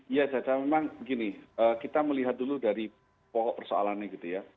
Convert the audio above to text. ya caca memang begini kita melihat dulu dari pokok persoalannya gitu ya